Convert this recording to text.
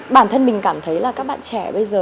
bản thân mình cảm thấy là các bạn trẻ bây giờ